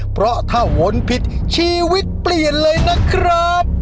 เพราะถ้าวนผิดชีวิตเปลี่ยนเลยนะครับ